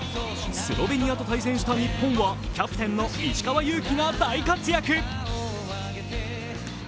スロベニアと対戦した日本はキャプテンの石川祐希が大活躍。